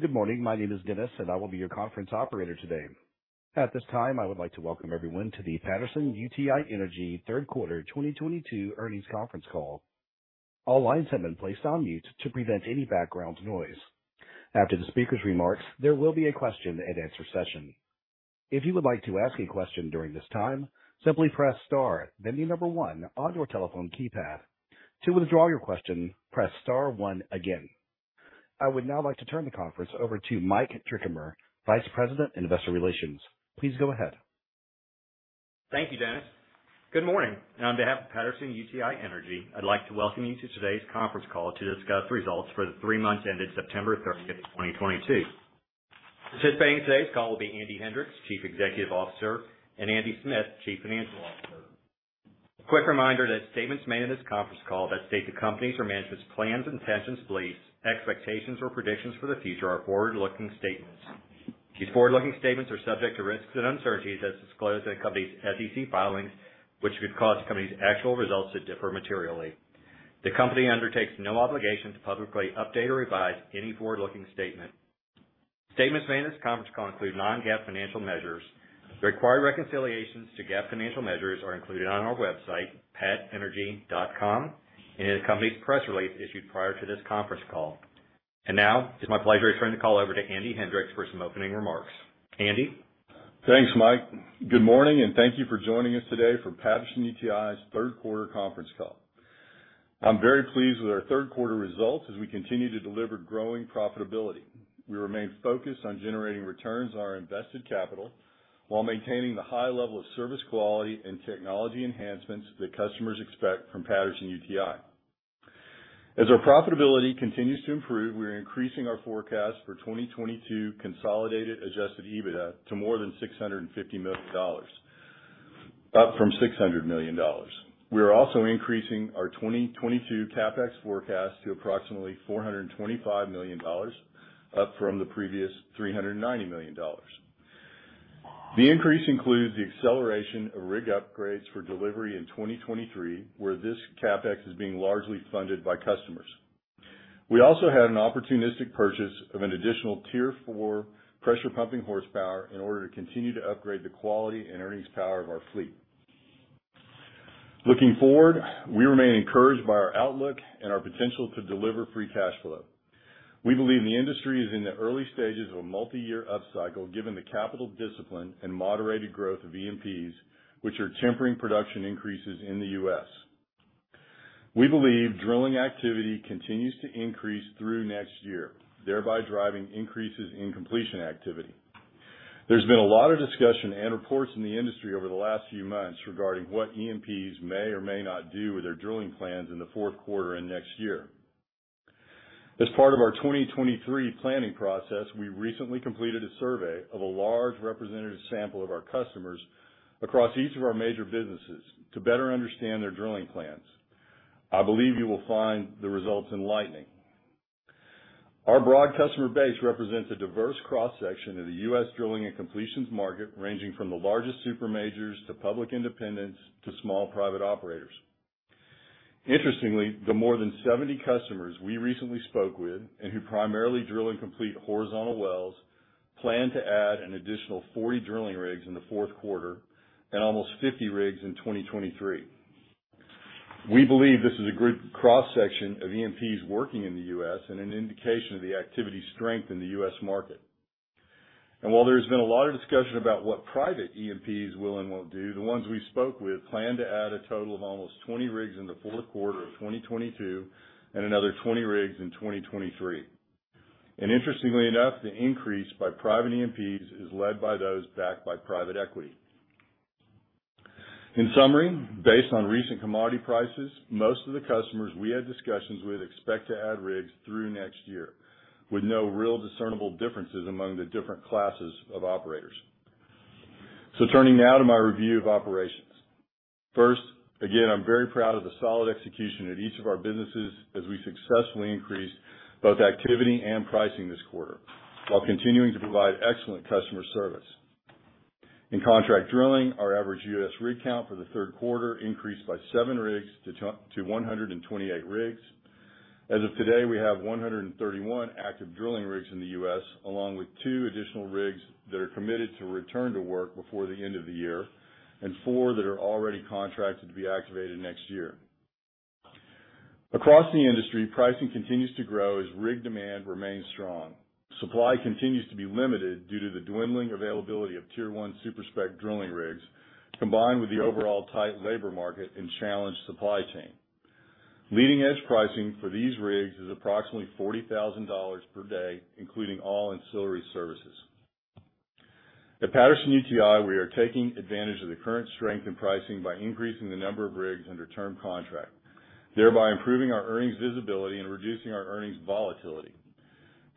Good morning. My name is Dennis, and I will be your conference operator today. At this time, I would like to welcome everyone to the Patterson-UTI Energy third quarter 2022 earnings conference call. All lines have been placed on mute to prevent any background noise. After the speaker's remarks, there will be a question and answer session. If you would like to ask a question during this time, simply press star then the number one on your telephone keypad. To withdraw your question, press star one again. I would now like to turn the conference over to Mike Drickamer, Vice President and Investor Relations. Please go ahead. Thank you, Dennis. Good morning. On behalf of Patterson-UTI Energy, I'd like to welcome you to today's conference call to discuss results for the three months ended September 30th, 2022. Participating in today's call will be Andy Hendricks, Chief Executive Officer, and Andy Smith, Chief Financial Officer. A quick reminder that statements made in this conference call that state the company's or management's plans, intentions, beliefs, expectations, or predictions for the future are forward-looking statements. These forward-looking statements are subject to risks and uncertainties as disclosed in the company's SEC filings, which could cause the company's actual results to differ materially. The company undertakes no obligation to publicly update or revise any forward-looking statement. Statements made in this conference call include non-GAAP financial measures. The required reconciliations to GAAP financial measures are included on our website, patenergy.com, and in the company's press release issued prior to this conference call. Now, it's my pleasure to turn the call over to Andy Hendricks for some opening remarks. Andy? Thanks, Mike. Good morning, and thank you for joining us today for Patterson-UTI's third quarter conference call. I'm very pleased with our third quarter results as we continue to deliver growing profitability. We remain focused on generating returns on our invested capital while maintaining the high level of service quality and technology enhancements that customers expect from Patterson-UTI. As our profitability continues to improve, we're increasing our forecast for 2022 consolidated adjusted EBITDA to more than $650 million, up from $600 million. We are also increasing our 2022 CapEx forecast to approximately $425 million, up from the previous $390 million. The increase includes the acceleration of rig upgrades for delivery in 2023, where this CapEx is being largely funded by customers. We also had an opportunistic purchase of an additional Tier 4 pressure pumping horsepower in order to continue to upgrade the quality and earnings power of our fleet. Looking forward, we remain encouraged by our outlook and our potential to deliver free cash flow. We believe the industry is in the early stages of a multi-year upcycle, given the capital discipline and moderated growth of E&Ps, which are tempering production increases in the U.S. We believe drilling activity continues to increase through next year, thereby driving increases in completion activity. There's been a lot of discussion and reports in the industry over the last few months regarding what E&Ps may or may not do with their drilling plans in the fourth quarter and next year. As part of our 2023 planning process, we recently completed a survey of a large representative sample of our customers across each of our major businesses to better understand their drilling plans. I believe you will find the results enlightening. Our broad customer base represents a diverse cross-section of the U.S. drilling and completions market, ranging from the largest super majors to public independents to small private operators. Interestingly, the more than 70 customers we recently spoke with, and who primarily drill and complete horizontal wells, plan to add an additional 40 drilling rigs in the fourth quarter and almost 50 rigs in 2023. We believe this is a good cross-section of E&Ps working in the U.S. and an indication of the activity strength in the US market. While there's been a lot of discussion about what private E&Ps will and won't do, the ones we spoke with plan to add a total of almost 20 rigs in the fourth quarter of 2022 and another 20 rigs in 2023. Interestingly enough, the increase by private E&Ps is led by those backed by private equity. In summary, based on recent commodity prices, most of the customers we had discussions with expect to add rigs through next year with no real discernible differences among the different classes of operators. Turning now to my review of operations. First, again, I'm very proud of the solid execution at each of our businesses as we successfully increased both activity and pricing this quarter while continuing to provide excellent customer service. In contract drilling, our average U.S. rig count for the third quarter increased by seven rigs to 128 rigs. As of today, we have 131 active drilling rigs in the U.S., along with two additional rigs that are committed to return to work before the end of the year and four that are already contracted to be activated next year. Across the industry, pricing continues to grow as rig demand remains strong. Supply continues to be limited due to the dwindling availability of Tier 1 super-spec drilling rigs, combined with the overall tight labor market and challenged supply chain. Leading-edge pricing for these rigs is approximately $40,000 per day, including all ancillary services. At Patterson-UTI, we are taking advantage of the current strength in pricing by increasing the number of rigs under term contract, thereby improving our earnings visibility and reducing our earnings volatility.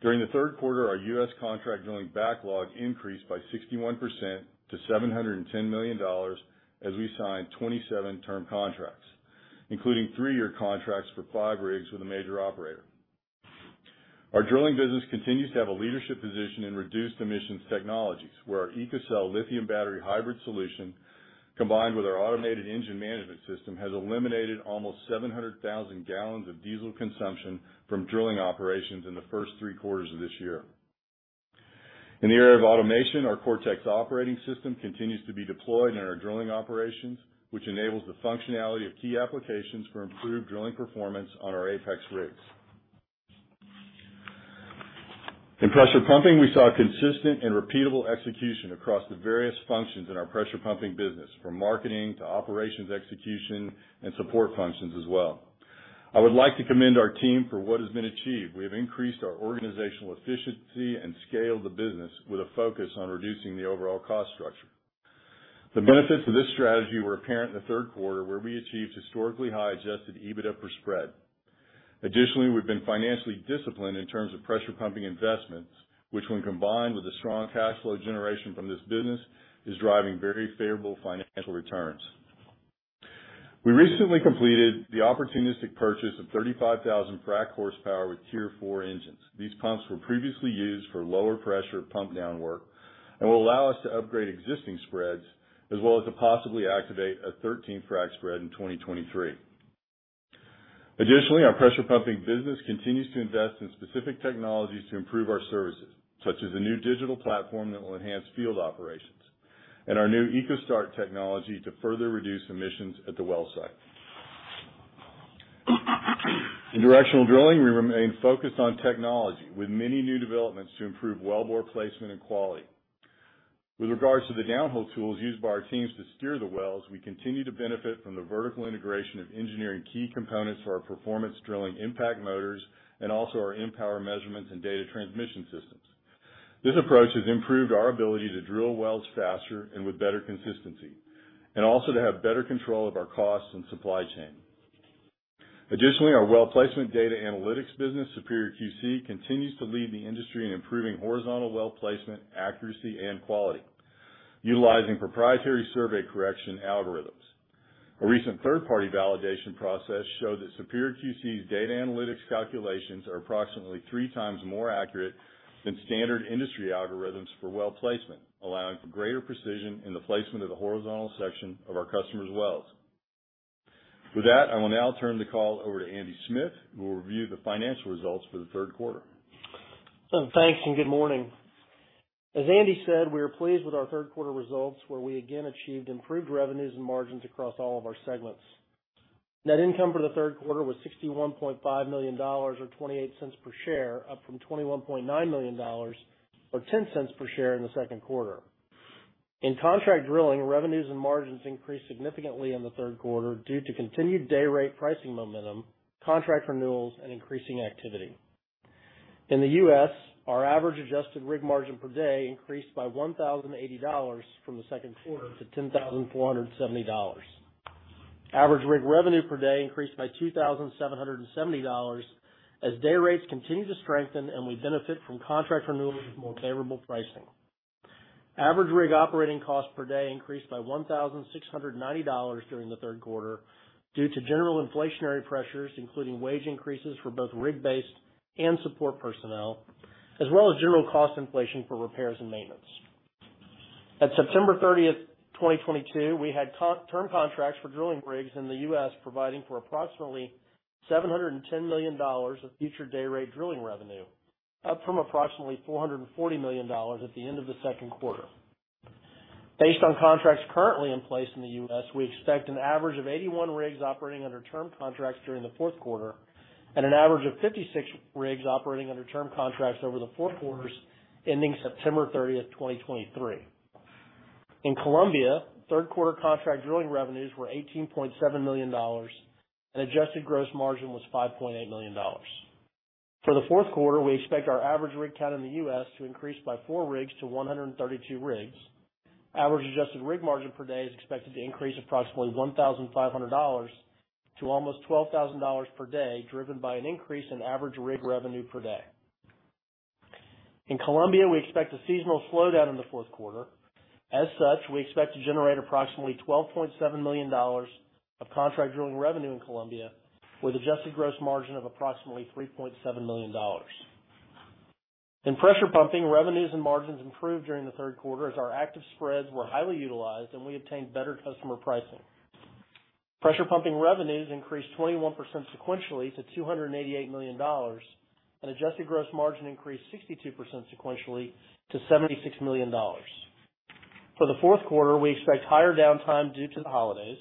During the third quarter, our US contract drilling backlog increased by 61% to $710 million as we signed 27 term contracts, including three year contracts for five rigs with a major operator. Our drilling business continues to have a leadership position in reduced emissions technologies where our EcoCell lithium battery hybrid solution combined with our automated engine management system has eliminated almost 700,000 gallons of diesel consumption from drilling operations in the first three quarters of this year. In the area of automation, our Cortex operating system continues to be deployed in our drilling operations, which enables the functionality of key applications for improved drilling performance on our Apex rigs. In pressure pumping, we saw consistent and repeatable execution across the various functions in our pressure pumping business, from marketing to operations execution and support functions as well. I would like to commend our team for what has been achieved. We have increased our organizational efficiency and scaled the business with a focus on reducing the overall cost structure. The benefits of this strategy were apparent in the third quarter, where we achieved historically high adjusted EBITDA per spread. Additionally, we've been financially disciplined in terms of pressure pumping investments, which when combined with the strong cash flow generation from this business, is driving very favorable financial returns. We recently completed the opportunistic purchase of 35,000 frac horsepower with Tier 4 engines. These pumps were previously used for lower pressure pump down work and will allow us to upgrade existing spreads as well as to possibly activate a 13 frac spread in 2023. Additionally, our pressure pumping business continues to invest in specific technologies to improve our services, such as a new digital platform that will enhance field operations and our new EcoStart technology to further reduce emissions at the well site. In directional drilling, we remain focused on technology with many new developments to improve wellbore placement and quality. With regards to the downhole tools used by our teams to steer the wells, we continue to benefit from the vertical integration of engineering key components for our performance drilling Impact motors and also our Empower measurements and data transmission systems. This approach has improved our ability to drill wells faster and with better consistency and also to have better control of our costs and supply chain. Additionally, our well placement data analytics business, Superior QC, continues to lead the industry in improving horizontal well placement, accuracy and quality, utilizing proprietary survey correction algorithms. A recent third-party validation process showed that Superior QC's data analytics calculations are approximately three times more accurate than standard industry algorithms for well placement, allowing for greater precision in the placement of the horizontal section of our customers' wells. With that, I will now turn the call over to Andy Smith, who will review the financial results for the third quarter. Thanks. Good morning. As Andy said, we are pleased with our third quarter results, where we again achieved improved revenues and margins across all of our segments. Net income for the third quarter was $61.5 million or $0.28 per share, up from $21.9 million or $0.10 per share in the second quarter. In contract drilling, revenues and margins increased significantly in the third quarter due to continued day rate pricing momentum, contract renewals, and increasing activity. In the U.S., our average adjusted rig margin per day increased by $1,080 from the second quarter to $10,470. Average rig revenue per day increased by $2,770 as day rates continue to strengthen and we benefit from contract renewals with more favorable pricing. Average rig operating cost per day increased by $1,690 during the third quarter due to general inflationary pressures, including wage increases for both rig-based and support personnel, as well as general cost inflation for repairs and maintenance. At September 30th, 2022, we had term contracts for drilling rigs in the U.S., providing for approximately $710 million of future day rate drilling revenue, up from approximately $440 million at the end of the second quarter. Based on contracts currently in place in the U.S., we expect an average of 81 rigs operating under term contracts during the fourth quarter and an average of 56 rigs operating under term contracts over the four quarters ending September 30th, 2023. In Colombia, third quarter contract drilling revenues were $18.7 million and adjusted gross margin was $5.8 million. For the fourth quarter, we expect our average rig count in the U.S. to increase by four rigs to 132 rigs. Average adjusted rig margin per day is expected to increase approximately $1,500 to almost $12,000 per day, driven by an increase in average rig revenue per day. In Colombia, we expect a seasonal slowdown in the fourth quarter. As such, we expect to generate approximately $12.7 million of contract drilling revenue in Colombia with adjusted gross margin of approximately $3.7 million. In pressure pumping, revenues and margins improved during the third quarter as our active spreads were highly utilized and we obtained better customer pricing. Pressure pumping revenues increased 21% sequentially to $288 million, and adjusted gross margin increased 62% sequentially to $76 million. For the fourth quarter, we expect higher downtime due to the holidays.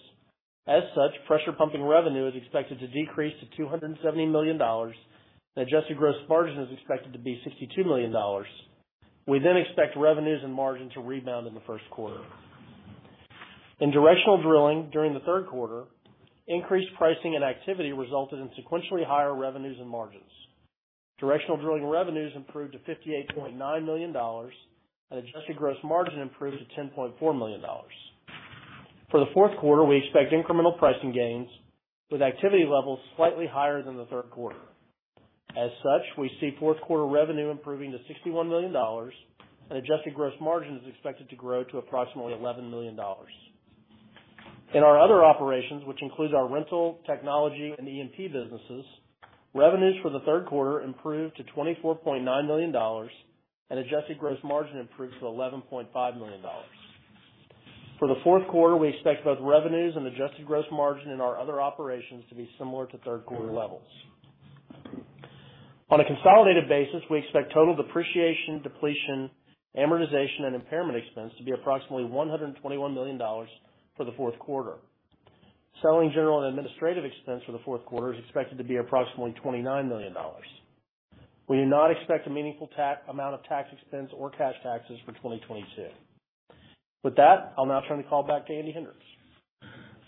As such, pressure pumping revenue is expected to decrease to $270 million, and adjusted gross margin is expected to be $62 million. We then expect revenues and margin to rebound in the first quarter. In directional drilling during the third quarter, increased pricing and activity resulted in sequentially higher revenues and margins. Directional drilling revenues improved to $58.9 million, and adjusted gross margin improved to $10.4 million. For the fourth quarter, we expect incremental pricing gains with activity levels slightly higher than the third quarter. As such, we see fourth quarter revenue improving to $61 million and adjusted gross margin is expected to grow to approximately $11 million. In our other operations, which includes our rental, technology, and E&P businesses, revenues for the third quarter improved to $24.9 million and adjusted gross margin improved to $11.5 million. For the fourth quarter, we expect both revenues and adjusted gross margin in our other operations to be similar to third quarter levels. On a consolidated basis, we expect total depreciation, depletion, amortization, and impairment expense to be approximately $121 million for the fourth quarter. Selling general and administrative expense for the fourth quarter is expected to be approximately $29 million. We do not expect a meaningful tax amount of tax expense or cash taxes for 2022. With that, I'll now turn the call back to Andy Hendricks.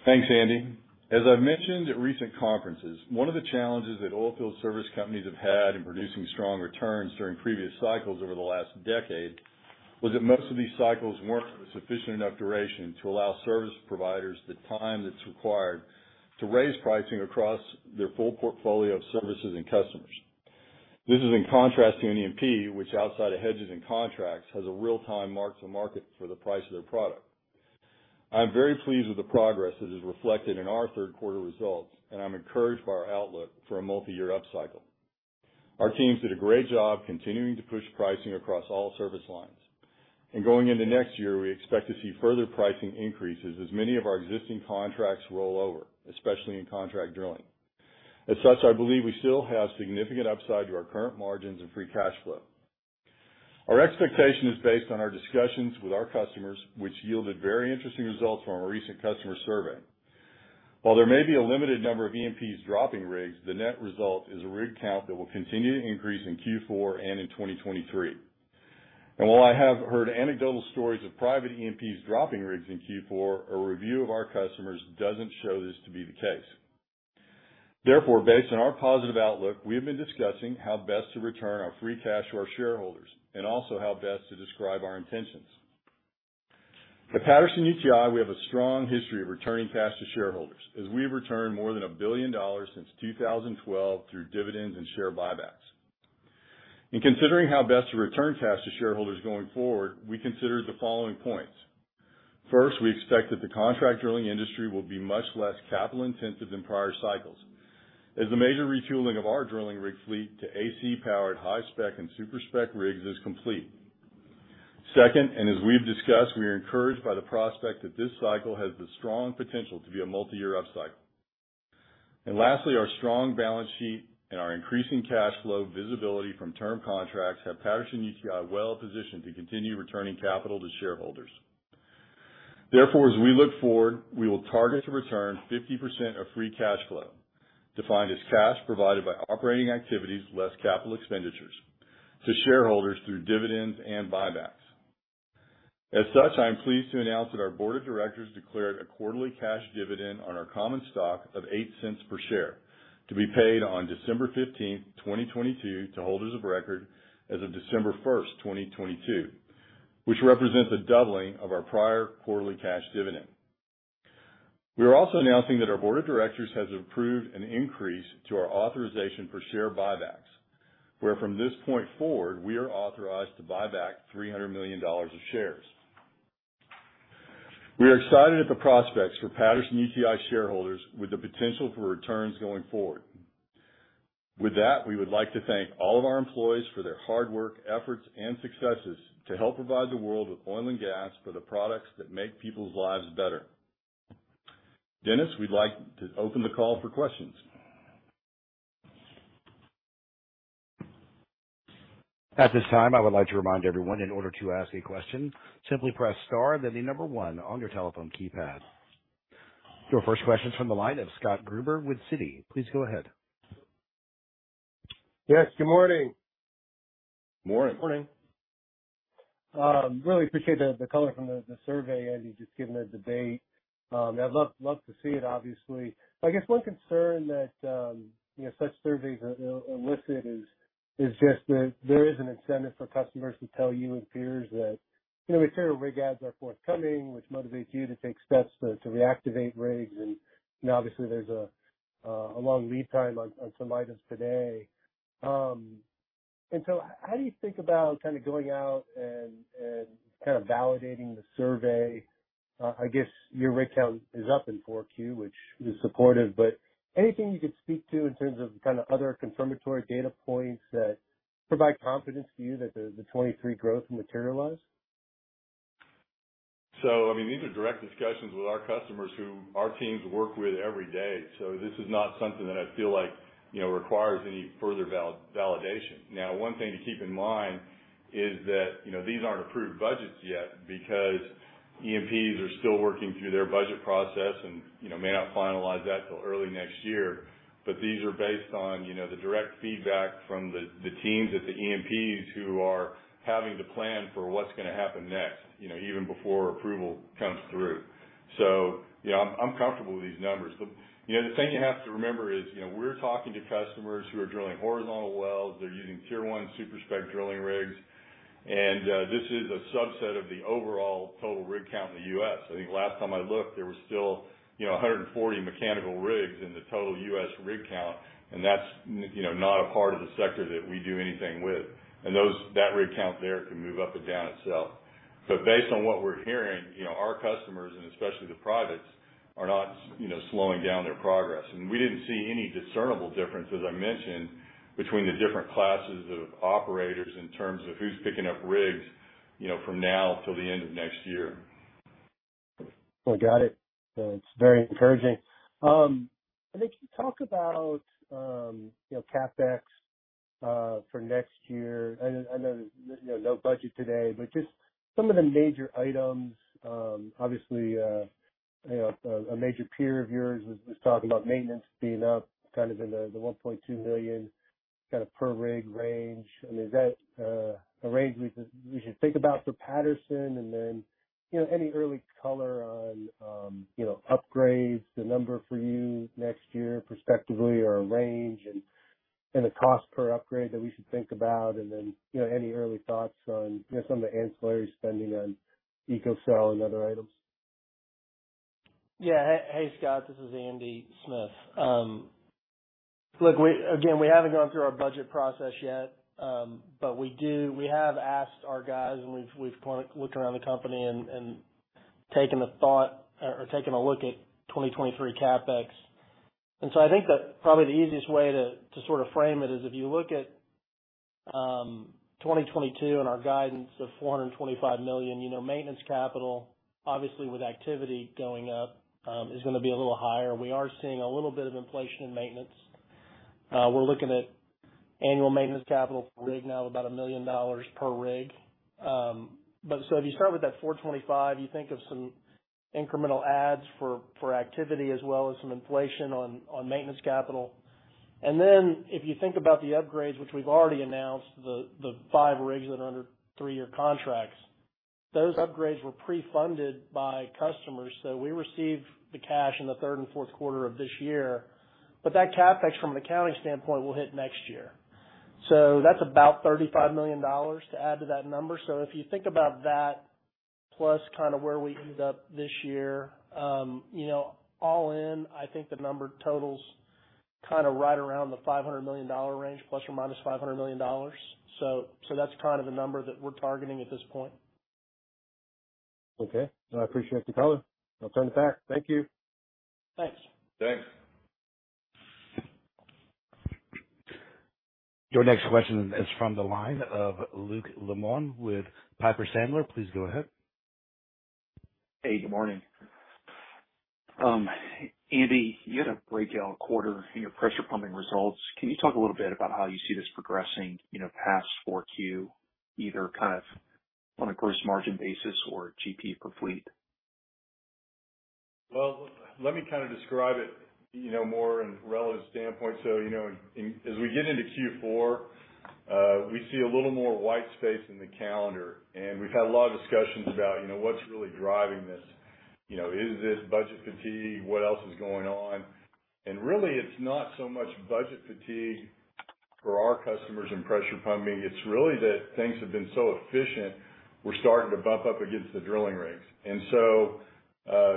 Thanks, Andy. As I've mentioned at recent conferences, one of the challenges that oilfield service companies have had in producing strong returns during previous cycles over the last decade was that most of these cycles weren't for the sufficient enough duration to allow service providers the time that's required to raise pricing across their full portfolio of services and customers. This is in contrast to an E&P, which outside of hedges and contracts, has a real time mark-to-market for the price of their product. I am very pleased with the progress that is reflected in our third quarter results, and I'm encouraged by our outlook for a multi-year upcycle. Our teams did a great job continuing to push pricing across all service lines. Going into next year, we expect to see further pricing increases as many of our existing contracts roll over, especially in contract drilling. As such, I believe we still have significant upside to our current margins and free cash flow. Our expectation is based on our discussions with our customers, which yielded very interesting results from our recent customer survey. While there may be a limited number of E&Ps dropping rigs, the net result is a rig count that will continue to increase in Q4 and in 2023. While I have heard anecdotal stories of private E&Ps dropping rigs in Q4, a review of our customers doesn't show this to be the case. Therefore, based on our positive outlook, we have been discussing how best to return our free cash to our shareholders and also how best to describe our intentions. At Patterson-UTI, we have a strong history of returning cash to shareholders as we've returned more than $1 billion since 2012 through dividends and share buybacks. In considering how best to return cash to shareholders going forward, we consider the following points. First, we expect that the contract drilling industry will be much less capital intensive than prior cycles as the major retooling of our drilling rig fleet to AC powered high-spec and super-spec rigs is complete. Second, and as we've discussed, we are encouraged by the prospect that this cycle has the strong potential to be a multi-year upcycle. Lastly, our strong balance sheet and our increasing cash flow visibility from term contracts have Patterson-UTI well positioned to continue returning capital to shareholders. Therefore, as we look forward, we will target to return 50% of free cash flow, defined as cash provided by operating activities less capital expenditures, to shareholders through dividends and buybacks. As such, I am pleased to announce that our board of directors declared a quarterly cash dividend on our common stock of $0.08 per share to be paid on December 15th, 2022 to holders of record as of December 1st, 2022, which represents a doubling of our prior quarterly cash dividend. We are also announcing that our board of directors has approved an increase to our authorization for share buybacks, where from this point forward, we are authorized to buy back $300 million of shares. We are excited at the prospects for Patterson-UTI shareholders with the potential for returns going forward. With that, we would like to thank all of our employees for their hard work, efforts, and successes to help provide the world with oil and gas for the products that make people's lives better. Dennis, we'd like to open the call for questions. At this time, I would like to remind everyone in order to ask a question, simply press star then the number one on your telephone keypad. Your first question is from the line of Scott Gruber with Citi. Please go ahead. Yes, good morning. Morning. Morning. Really appreciate the color from the survey, Andy, just given the debate. I'd love to see it, obviously. I guess one concern that you know, such surveys elicit is just that there is an incentive for customers to tell you and peers that you know, material rig adds are forthcoming, which motivates you to take steps to reactivate rigs. Obviously, there's a long lead time on some items today. How do you think about kind of going out and kind of validating the survey? I guess your rig count is up in Q4, which is supportive. Anything you could speak to in terms of kind of other confirmatory data points that provide confidence to you that the 2023 growth materialize? I mean, these are direct discussions with our customers who our teams work with every day. This is not something that I feel like, you know, requires any further validation. One thing to keep in mind is that, you know, these aren't approved budgets yet because E&Ps are still working through their budget process and, you know, may not finalize that till early next year. These are based on, you know, the direct feedback from the teams at the E&Ps who are having to plan for what's gonna happen next, you know, even before approval comes through. Yeah, I'm comfortable with these numbers. You know, the thing you have to remember is, you know, we're talking to customers who are drilling horizontal wells. They're using Tier 1 super-spec drilling rigs. This is a subset of the overall total rig count in the U.S. I think last time I looked, there was still, you know, 140 mechanical rigs in the total U.S. rig count, and that's, you know, not a part of the sector that we do anything with. That rig count there can move up or down itself. Based on what we're hearing, you know, our customers, and especially the privates, are not, you know, slowing down their progress. We didn't see any discernible difference, as I mentioned, between the different classes of operators in terms of who's picking up rigs, you know, from now till the end of next year. Well, got it. That's very encouraging. I think you talk about, you know, CapEx for next year. I know there's no budget today, but just some of the major items. Obviously, you know, a major peer of yours was talking about maintenance being up kind of in the $1.2 million kind of per rig range. I mean, is that a range we should think about for Patterson? And then, you know, any early color on, you know, upgrades, the number for you next year prospectively or a range and a cost per upgrade that we should think about. And then, you know, any early thoughts on, you know, some of the ancillary spending on EcoCell and other items. Yeah. Hey, Scott. This is Andy Smith. Look, we again, we haven't gone through our budget process yet, but we do. We have asked our guys, and we've kind of looked around the company and taken a thought or taken a look at 2023 CapEx. So I think that probably the easiest way to sort of frame it is if you look at 2022 and our guidance of $425 million, you know, maintenance capital, obviously with activity going up, is gonna be a little higher. We are seeing a little bit of inflation in maintenance. We're looking at annual maintenance capital for rig now about $1 million per rig. If you start with that $425 million, you think of some incremental adds for activity as well as some inflation on maintenance capital. If you think about the upgrades, which we've already announced, the five rigs that are under three year contracts, those upgrades were pre-funded by customers. We received the cash in the third and fourth quarter of this year. That CapEx from accounting standpoint will hit next year. That's about $35 million to add to that number. If you think about that, plus kind of where we end up this year, you know, all in, I think the number totals kind of right around the $500 million range, plus or minus $500 million. That's kind of the number that we're targeting at this point. Okay. No, I appreciate the color. I'll turn it back. Thank you. Thanks. Thanks. Your next question is from the line of Luke Lemoine with Piper Sandler. Please go ahead. Hey, good morning. Andy, you had a great quarter in your pressure pumping results. Can you talk a little bit about how you see this progressing, you know, past 4Q, either kind of on a gross margin basis or GP per fleet? Well, let me kind of describe it, you know, more in relative standpoint. You know, in as we get into Q4, we see a little more white space in the calendar, and we've had a lot of discussions about, you know, what's really driving this. You know, is this budget fatigue? What else is going on? Really, it's not so much budget fatigue for our customers in pressure pumping. It's really that things have been so efficient, we're starting to bump up against the drilling rigs.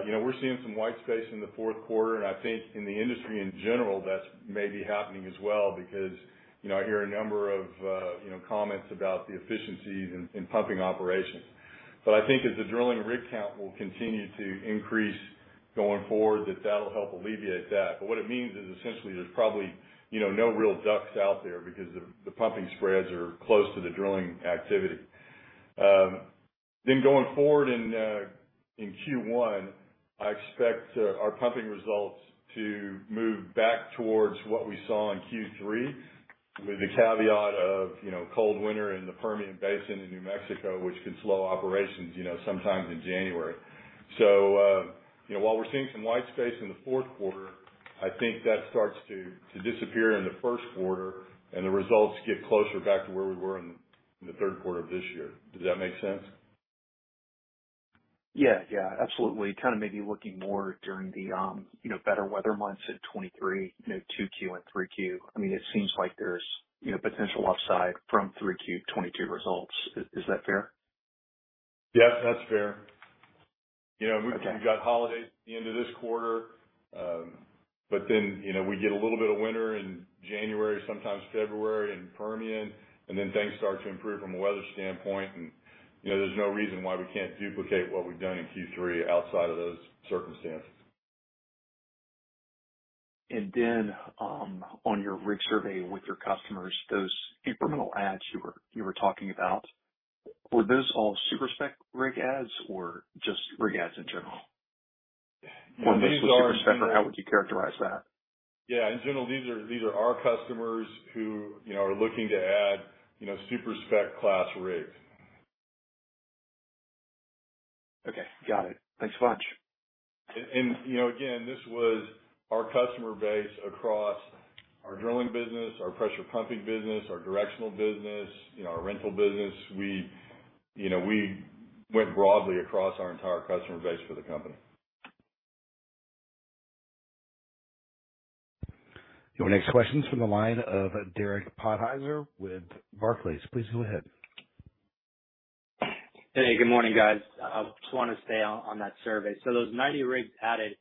You know, we're seeing some white space in the fourth quarter, and I think in the industry in general, that's maybe happening as well because, you know, I hear a number of you know, comments about the efficiencies in pumping operations. I think as the drilling rig count will continue to increase going forward, that that'll help alleviate that. What it means is essentially there's probably, you know, no real DUCs out there because the pumping spreads are close to the drilling activity. Going forward in Q1, I expect our pumping results to move back towards what we saw in Q3 with the caveat of, you know, cold winter in the Permian Basin in New Mexico, which can slow operations, you know, sometimes in January. you know, while we're seeing some white space in the fourth quarter, I think that starts to disappear in the first quarter and the results get closer back to where we were in the third quarter of this year. Does that make sense? Yeah. Yeah. Absolutely. Kind of maybe looking more during the better weather months in 2023, you know, 2Q and 3Q. I mean, it seems like there's potential upside from 3Q 2022 results. Is that fair? Yes, that's fair. Okay. You know, we've got holidays at the end of this quarter. But then, you know, we get a little bit of winter in January, sometimes February in Permian, and then things start to improve from a weather standpoint. You know, there's no reason why we can't duplicate what we've done in Q3 outside of those circumstances. On your rig survey with your customers, those incremental adds you were talking about, were those all super-spec rig adds or just rig adds in general? Yeah. These are, you know. Mostly super-spec, or how would you characterize that? Yeah. In general, these are our customers who, you know, are looking to add, you know, super-spec class rigs. Okay. Got it. Thanks so much. you know, again, this was our customer base across our drilling business, our pressure pumping business, our directional business, you know, our rental business. We, you know, went broadly across our entire customer base for the company. Your next question's from the line of Derek Podhaizer with Barclays. Please go ahead. Hey, good morning, guys. I just wanna stay on that survey. Those 90 rigs added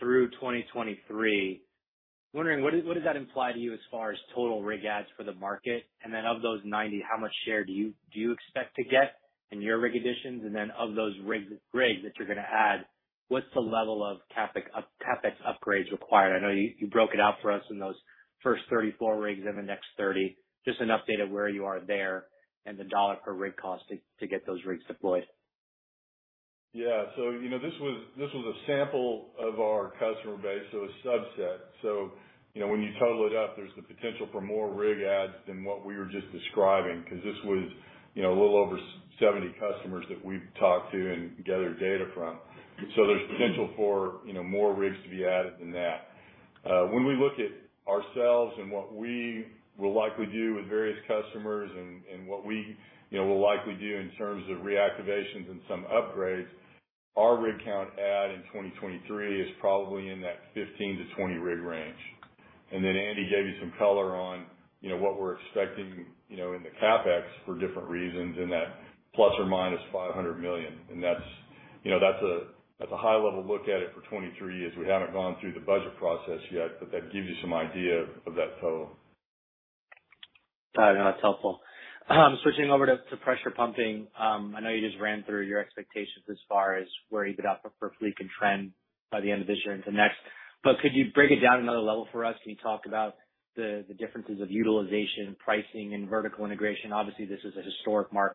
through 2023. Wondering what does that imply to you as far as total rig adds for the market? And then of those 90, how much share do you expect to get in your rig additions? And then of those rigs that you're gonna add, what's the level of CapEx upgrades required? I know you broke it out for us in those first 34 rigs and the next 30. Just an update of where you are there and the dollar per rig cost to get those rigs deployed. Yeah. You know, this was a sample of our customer base, so a subset. You know, when you total it up, there's the potential for more rig adds than what we were just describing because this was, you know, a little over 70 customers that we've talked to and gathered data from. There's potential for, you know, more rigs to be added than that. When we look at ourselves and what we will likely do with various customers and what we, you know, will likely do in terms of reactivations and some upgrades, our rig count add in 2023 is probably in that 15-20 rig range. Then Andy gave you some color on, you know, what we're expecting, you know, in the CapEx for different reasons in that ±$500 million. That's, you know, a high level look at it for 2023, as we haven't gone through the budget process yet, but that gives you some idea of that total. All right. No, that's helpful. Switching over to pressure pumping. I know you just ran through your expectations as far as where you could have your fleet capacity trend by the end of this year into next. Could you break it down another level for us? Can you talk about the differences of utilization, pricing and vertical integration? Obviously, this is a historic margin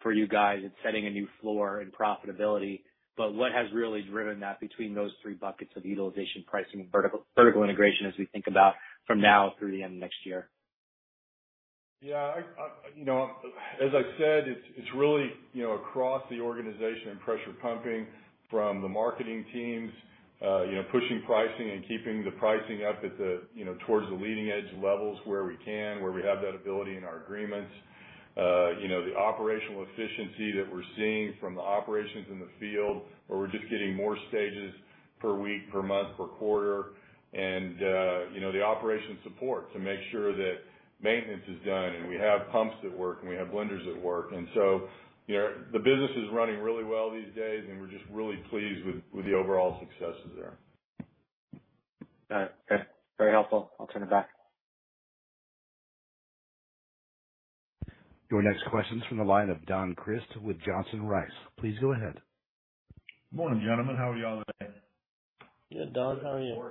for you guys. It's setting a new floor in profitability. What has really driven that between those three buckets of utilization, pricing and vertical integration as we think about from now through the end of next year? Yeah. I, you know, as I said, it's really, you know, across the organization in pressure pumping from the marketing teams, you know, pushing pricing and keeping the pricing up at the, you know, towards the leading edge levels where we can, where we have that ability in our agreements. You know, the operational efficiency that we're seeing from the operations in the field, where we're just getting more stages per week, per month, per quarter. You know, the operation support to make sure that maintenance is done, and we have pumps that work, and we have blenders that work. You know, the business is running really well these days, and we're just really pleased with the overall successes there. All right. Okay, very helpful. I'll turn it back. Your next question's from the line of Don Crist with Johnson Rice. Please go ahead. Morning, gentlemen. How are y'all today? Good, Don. How are you?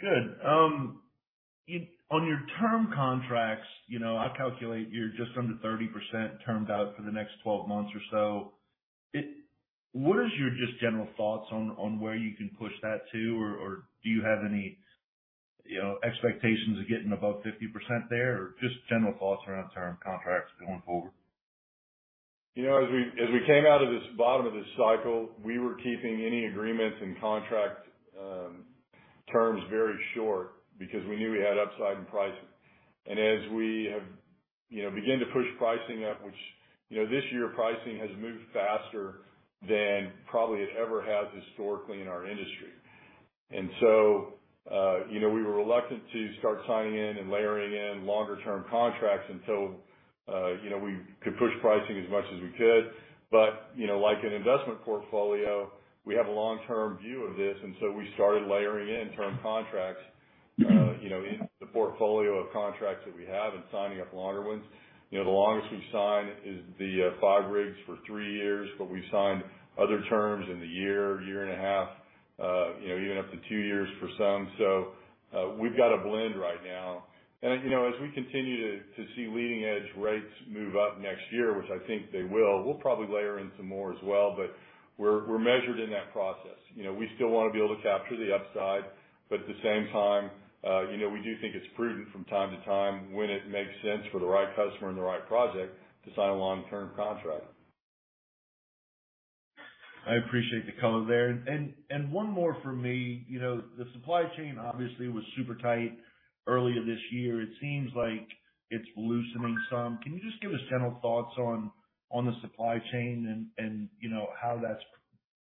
Good. On your term contracts, you know, I calculate you're just under 30% termed out for the next 12 months or so. What is your just general thoughts on where you can push that to? Or do you have any, you know, expectations of getting above 50% there? Just general thoughts around term contracts going forward. You know, as we came out of this bottom of this cycle, we were keeping any agreements and contract terms very short because we knew we had upside in pricing. As we have, you know, began to push pricing up, which, you know, this year pricing has moved faster than probably it ever has historically in our industry. We were reluctant to start signing in and layering in longer term contracts until, you know, we could push pricing as much as we could. Like an investment portfolio, we have a long-term view of this, and so we started layering in term contracts, you know, in the portfolio of contracts that we have and signing up longer ones. You know, the longest we've signed is the five rigs for three years, but we've signed other terms in the year and a half, you know, even up to two years for some. We've got a blend right now. You know, as we continue to see leading edge rates move up next year, which I think they will, we'll probably layer in some more as well, but we're measured in that process. You know, we still wanna be able to capture the upside, but at the same time, you know, we do think it's prudent from time to time when it makes sense for the right customer and the right project to sign a long-term contract. I appreciate the color there. One more from me. You know, the supply chain obviously was super tight earlier this year. It seems like it's loosening some. Can you just give us general thoughts on the supply chain and you know how that's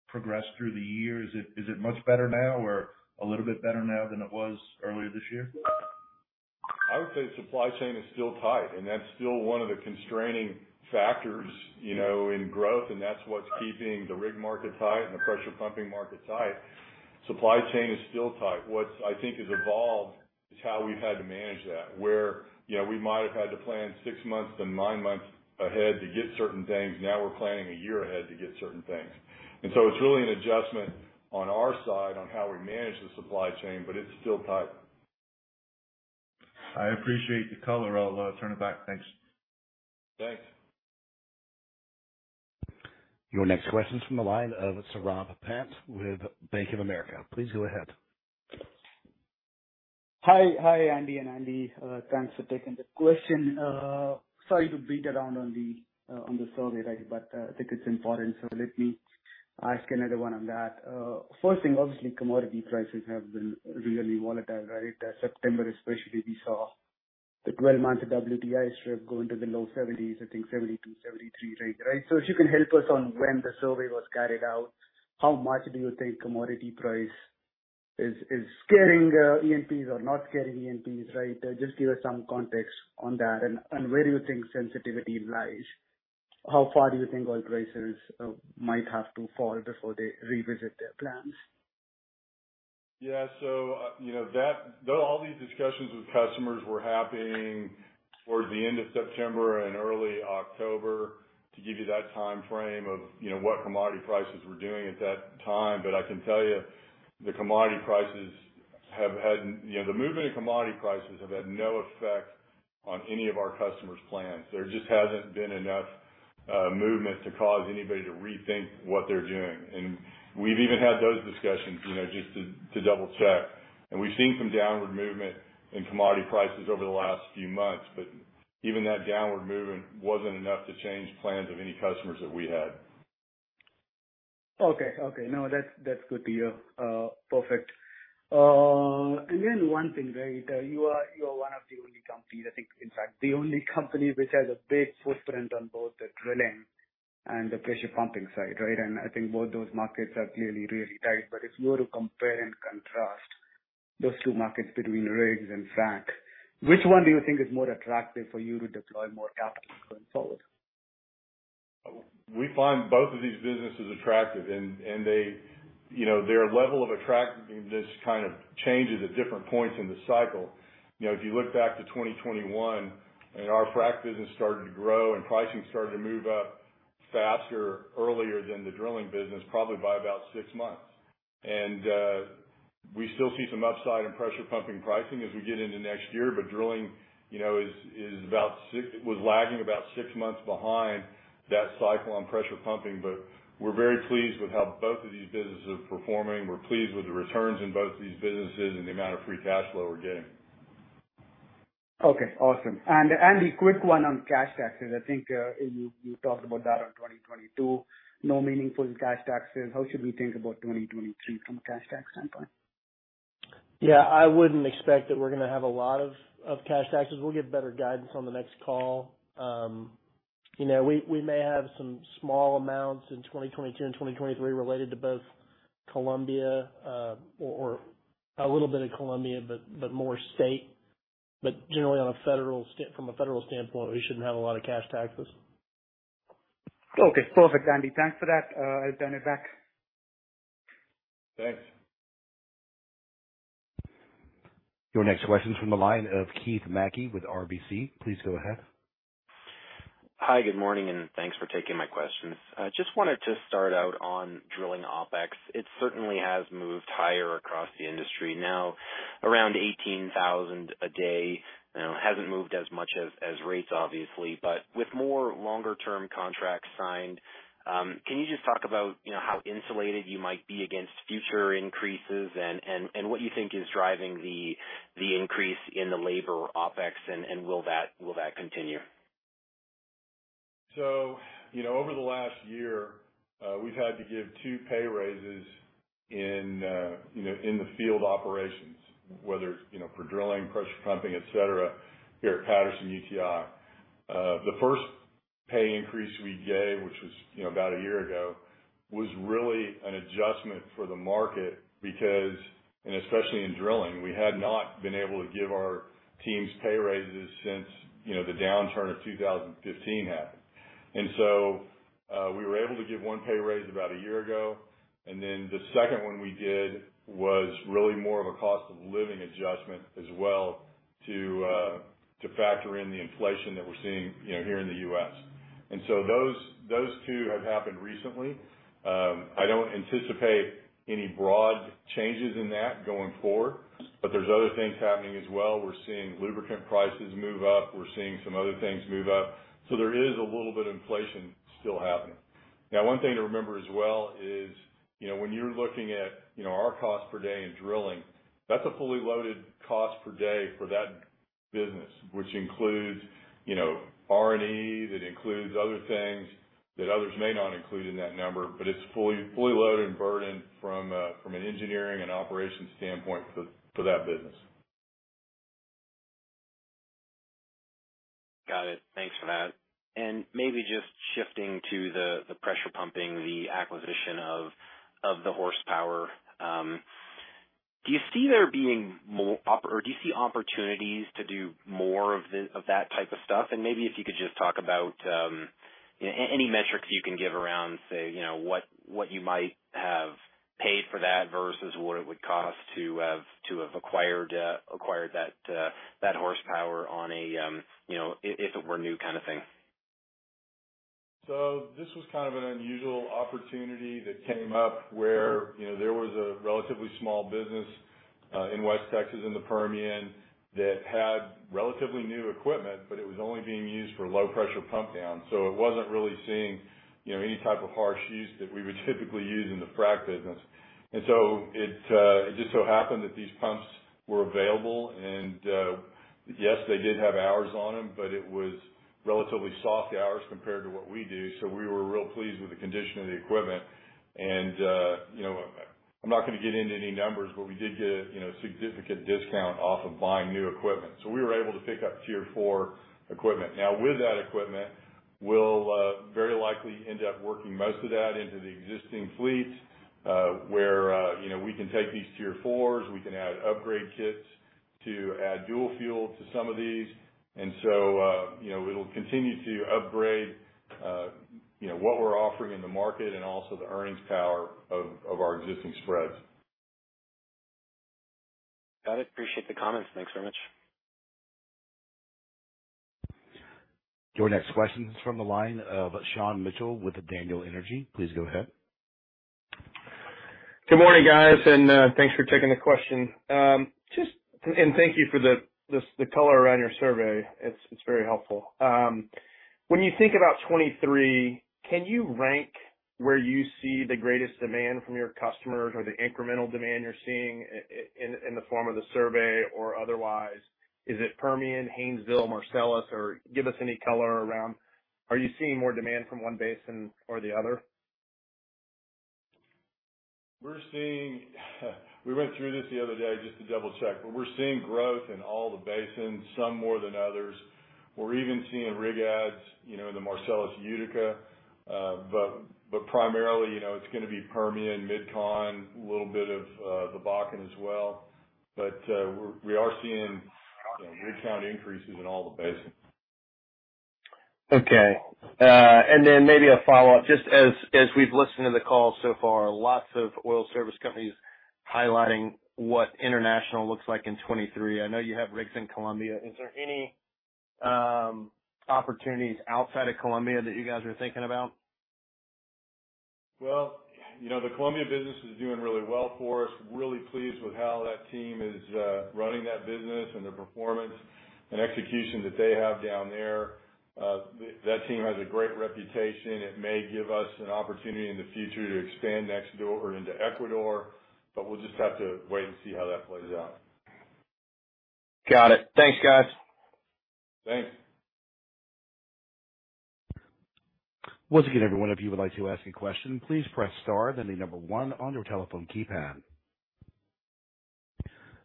progressed through the year? Is it much better now or a little bit better now than it was earlier this year? I would say supply chain is still tight, and that's still one of the constraining factors, you know, in growth, and that's what's keeping the rig market tight and the pressure pumping market tight. Supply chain is still tight. What I think has evolved is how we've had to manage that, where, you know, we might have had to plan six to nine months ahead to get certain things. Now we're planning a year ahead to get certain things. It's really an adjustment on our side on how we manage the supply chain, but it's still tight. I appreciate the color. I'll turn it back. Thanks. Thanks. Your next question is from the line of Saurabh Pant with Bank of America. Please go ahead. Hi. Hi, Andy and Andy. Thanks for taking the question. Sorry to beat around on the survey, right, but I think it's important, so let me ask another one on that. First thing, obviously, commodity prices have been really volatile, right? September especially, we saw the 12 month WTI strip go into the low 70s, I think 72, 73 range, right? If you can help us on when the survey was carried out, how much do you think commodity price is scaring E&Ps or not scaring E&Ps, right? Just give us some context on that. Where do you think sensitivity lies? How far do you think oil prices might have to fall before they revisit their plans? Yeah. Though all these discussions with customers were happening towards the end of September and early October to give you that timeframe of, you know, what commodity prices were doing at that time. I can tell you the commodity prices have had you know, the movement in commodity prices have had no effect on any of our customers' plans. There just hasn't been enough movement to cause anybody to rethink what they're doing. We've even had those discussions, you know, just to double-check. We've seen some downward movement in commodity prices over the last few months, but even that downward movement wasn't enough to change plans of any customers that we had. Okay. No, that's good to hear. Perfect. And then one thing, right? You are one of the only companies, I think in fact, the only company which has a big footprint on both the drilling and the pressure pumping side, right? I think both those markets are clearly really tight. If you were to compare and contrast those two markets between rigs and frac, which one do you think is more attractive for you to deploy more capital going forward? We find both of these businesses attractive and they, you know, their level of attractiveness kind of changes at different points in the cycle. You know, if you look back to 2021 and our frac business started to grow and pricing started to move up faster, earlier than the drilling business, probably by about six months. We still see some upside in pressure pumping pricing as we get into next year. Drilling, you know, was lagging about six months behind that cycle on pressure pumping. We're very pleased with how both of these businesses are performing. We're pleased with the returns in both these businesses and the amount of free cash flow we're getting. Okay, awesome. Andy, quick one on cash taxes. I think, you talked about that on 2022, no meaningful cash taxes. How should we think about 2023 from a cash tax standpoint? Yeah, I wouldn't expect that we're gonna have a lot of cash taxes. We'll give better guidance on the next call. You know, we may have some small amounts in 2022 and 2023 related to a little bit of Colombia, but more state. Generally from a federal standpoint, we shouldn't have a lot of cash taxes. Okay, perfect, Andy. Thanks for that. I'll turn it back. Thanks. Your next question is from the line of Keith Mackey with RBC. Please go ahead. Hi, good morning, and thanks for taking my questions. I just wanted to start out on drilling OpEx. It certainly has moved higher across the industry, now around $18,000 a day. You know, hasn't moved as much as rates obviously, but with more longer-term contracts signed, can you just talk about, you know, how insulated you might be against future increases and what you think is driving the increase in the labor OpEx, and will that continue? You know, over the last year, we've had to give two pay raises in, you know, in the field operations, whether it's, you know, for drilling, pressure pumping, et cetera, here at Patterson-UTI. The first pay increase we gave, which was, you know, about a year ago, was really an adjustment for the market because and especially in drilling, we had not been able to give our teams pay raises since, you know, the downturn of 2015 happened. We were able to give one pay raise about a year ago, and then the second one we did was really more of a cost of living adjustment as well to factor in the inflation that we're seeing, you know, here in the U.S. Those two have happened recently. I don't anticipate any broad changes in that going forward. There's other things happening as well. We're seeing lubricant prices move up. We're seeing some other things move up. There is a little bit of inflation still happening. Now, one thing to remember as well is, you know, when you're looking at, you know, our cost per day in drilling, that's a fully loaded cost per day for that business, which includes, you know, R&D, that includes other things that others may not include in that number, but it's fully loaded and burdened from an engineering and operations standpoint for that business. Got it. Thanks for that. Maybe just shifting to the pressure pumping, the acquisition of the horsepower. Do you see there being more or do you see opportunities to do more of that type of stuff? Maybe if you could just talk about any metrics you can give around, say, you know, what you might have paid for that versus what it would cost to have acquired that horsepower on a, you know, if it were new kind of thing. This was kind of an unusual opportunity that came up where, you know, there was a relatively small business in West Texas in the Permian that had relatively new equipment, but it was only being used for low pressure pump downs. It wasn't really seeing, you know, any type of harsh use that we would typically use in the frac business. It just so happened that these pumps were available and, yes, they did have hours on them, but it was relatively soft hours compared to what we do. We were real pleased with the condition of the equipment. You know, I'm not gonna get into any numbers, but we did get a, you know, significant discount off of buying new equipment. We were able to pick up Tier 4 equipment. Now with that equipment, we'll very likely end up working most of that into the existing fleet, where you know, we can take these Tier 4s, we can add upgrade kits. To add dual fuel to some of these. We will continue to upgrade you know, what we're offering in the market and also the earnings power of our existing spreads. Got it. Appreciate the comments. Thanks very much. Your next question is from the line of Sean Mitchell with Daniel Energy Partners. Please go ahead. Good morning, guys, and thanks for taking the question. Thank you for the color around your survey. It's very helpful. When you think about 2023, can you rank where you see the greatest demand from your customers or the incremental demand you're seeing in the form of the survey or otherwise? Is it Permian, Haynesville, Marcellus? Or give us any color around, are you seeing more demand from one basin or the other? We went through this the other day just to double check, but we're seeing growth in all the basins, some more than others. We're even seeing rig adds, you know, in the Marcellus Utica. Primarily, you know, it's gonna be Permian, MidCon, a little bit of the Bakken as well. We are seeing, you know, rig count increases in all the basins. Okay. Maybe a follow-up. Just as we've listened to the call so far, lots of oil service companies highlighting what international looks like in 2023. I know you have rigs in Colombia. Is there any opportunities outside of Colombia that you guys are thinking about? Well, you know, the Colombia business is doing really well for us. Really pleased with how that team is running that business and the performance and execution that they have down there. That team has a great reputation. It may give us an opportunity in the future to expand next door into Ecuador, but we'll just have to wait and see how that plays out. Got it. Thanks, guys. Thanks. Once again, everyone, if you would like to ask a question, please press star, then one on your telephone keypad.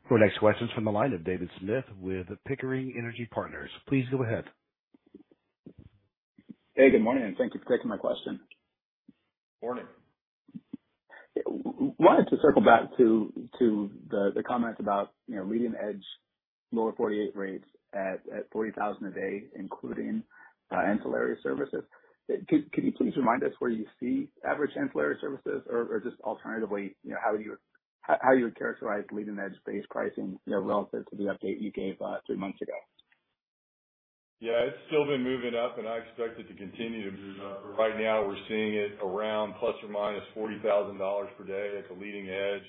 Your next question is from the line of David Smith with Pickering Energy Partners. Please go ahead. Hey, good morning, and thank you for taking my question. Morning. Wanted to circle back to the comments about, you know, leading edge lower forty-eight rates at $40,000 a day, including ancillary services. Could you please remind us where you see average ancillary services or just alternatively, you know, how you would characterize leading edge base pricing, you know, relative to the update you gave three months ago? Yeah, it's still been moving up, and I expect it to continue to move up. Right now we're seeing it around ±$40,000 per day at the leading edge,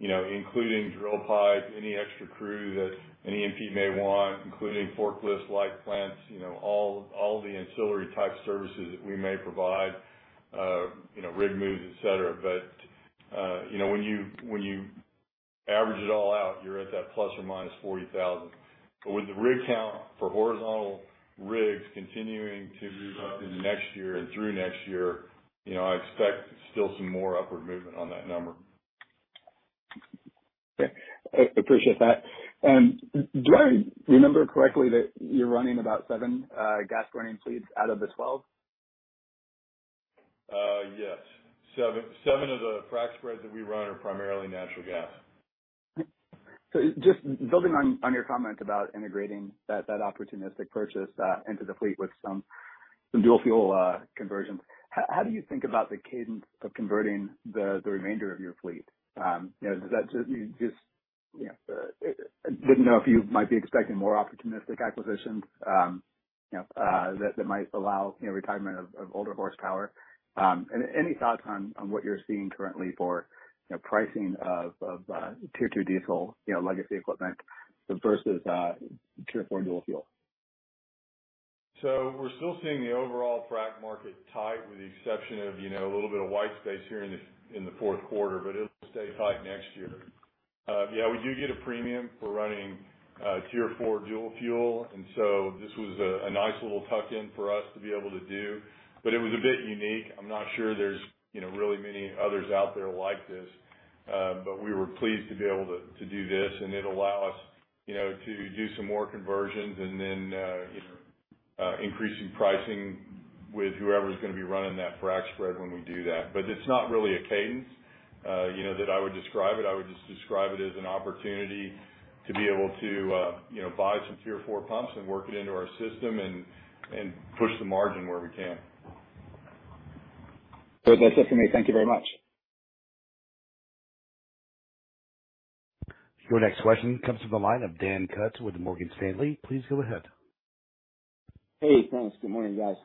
you know, including drill pipe, any extra crew that an E&P may want, including forklifts, light plants, you know, all the ancillary type services that we may provide, you know, rig moves, et cetera. You know, when you average it all out, you're at that ±$40,000. With the rig count for horizontal rigs continuing to move up into next year and through next year, you know, I expect still some more upward movement on that number. Okay. I appreciate that. Do I remember correctly that you're running about seven gas-running fleets out of the 12? Yes. seven of the frac spreads that we run are primarily natural gas. Just building on your comment about integrating that opportunistic purchase into the fleet with some dual fuel conversions, how do you think about the cadence of converting the remainder of your fleet? You know, does that just, you know. Didn't know if you might be expecting more opportunistic acquisitions, you know, that might allow, you know, retirement of older horsepower. Any thoughts on what you're seeing currently for, you know, pricing of tier two diesel, you know, legacy equipment versus tier four dual fuel? We're still seeing the overall frac market tight with the exception of, you know, a little bit of white space here in the fourth quarter, but it'll stay tight next year. Yeah, we do get a premium for running Tier 4 dual fuel, and so this was a nice little tuck-in for us to be able to do. It was a bit unique. I'm not sure there's, you know, really many others out there like this. We were pleased to be able to do this, and it'll allow us, you know, to do some more conversions and then increasing pricing with whoever's gonna be running that frac spread when we do that. It's not really a cadence, you know, that I would describe it. I would just describe it as an opportunity to be able to, you know, buy some Tier 4 pumps and work it into our system and push the margin where we can. That's it for me. Thank you very much. Your next question comes from the line of Dan Kutz with Morgan Stanley. Please go ahead. Hey, thanks. Good morning, guys. Morning.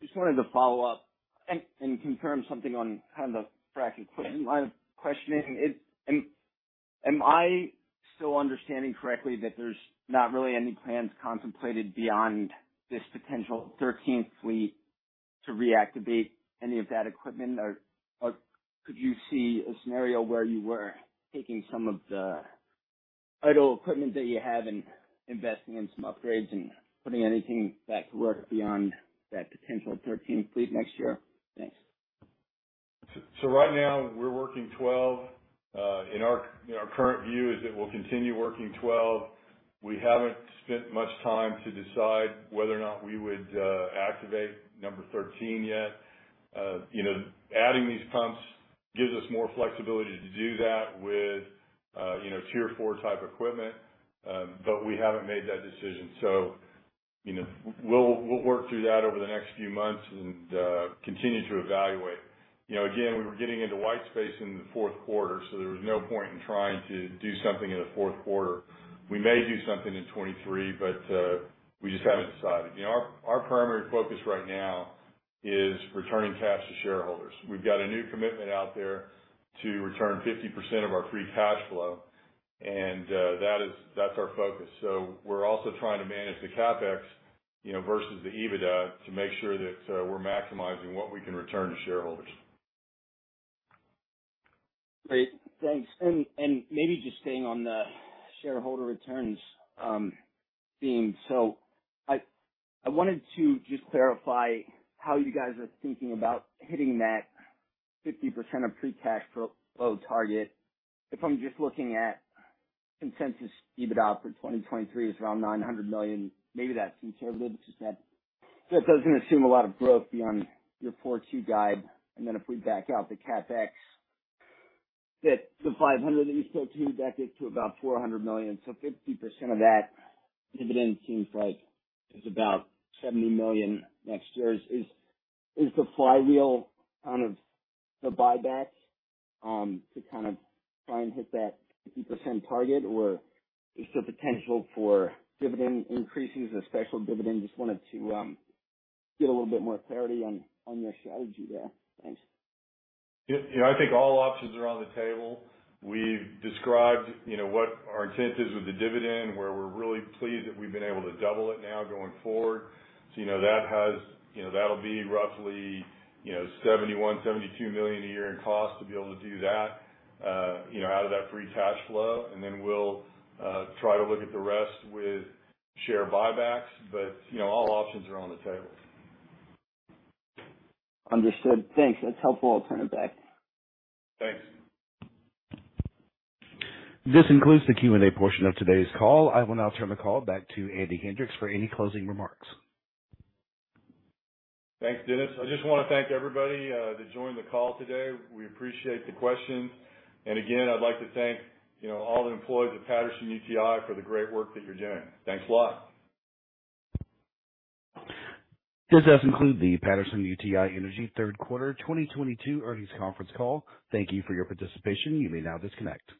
Just wanted to follow up and confirm something on kind of the frac equipment line of questioning. Am I still understanding correctly that there's not really any plans contemplated beyond this potential thirteenth fleet to reactivate any of that equipment or could you see a scenario where you were taking some of the idle equipment that you have and investing in some upgrades and putting anything back to work beyond that potential thirteenth fleet next year? Thanks. Right now, we're working 12. In our current view, you know, we'll continue working 12. We haven't spent much time to decide whether or not we would activate number 13 yet. You know, adding these pumps gives us more flexibility to do that with, you know, Tier 4 type equipment. But we haven't made that decision. You know, we'll work through that over the next few months and continue to evaluate. You know, again, we were getting into white space in the fourth quarter, so there was no point in trying to do something in the fourth quarter. We may do something in 2023, but we just haven't decided. You know, our primary focus right now is returning cash to shareholders. We've got a new commitment out there to return 50% of our free cash flow, and that's our focus. We're also trying to manage the CapEx, you know, versus the EBITDA to make sure that we're maximizing what we can return to shareholders. Great. Thanks. Maybe just staying on the shareholder returns theme. I wanted to just clarify how you guys are thinking about hitting that 50% of free cash flow target. If I'm just looking at consensus EBITDA for 2023 is around $900 million. Maybe that's being conservative, just that doesn't assume a lot of growth beyond your forward guide. If we back out the CapEx, the 500 that you spoke to, that gets to about $400 million. 50% of that dividend seems like is about $70 million next year. Is the flywheel kind of the buybacks to kind of hit that 50% target? Or is there potential for dividend increases or special dividends? Just wanted to get a little bit more clarity on your strategy there. Thanks. Yeah, you know, I think all options are on the table. We've described, you know, what our intent is with the dividend, where we're really pleased that we've been able to double it now going forward. You know, that has, you know, that'll be roughly $71 million-$72 million a year in cost to be able to do that, you know, out of that free cash flow. Then we'll try to look at the rest with share buybacks. You know, all options are on the table. Understood. Thanks. That's helpful. I'll turn it back. Thanks. This concludes the Q&A portion of today's call. I will now turn the call back to Andy Hendricks for any closing remarks. Thanks, Dennis. I just wanna thank everybody that joined the call today. We appreciate the questions. Again, I'd like to thank, you know, all the employees at Patterson-UTI for the great work that you're doing. Thanks a lot. This does conclude the Patterson-UTI Energy third quarter 2022 earnings conference call. Thank you for your participation. You may now disconnect.